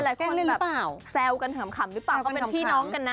เล่นหรือเปล่าแซวกันขำหรือเปล่าก็เป็นพี่น้องกันนะ